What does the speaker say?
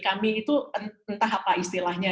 kami itu entah apa istilahnya